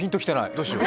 どうしよう。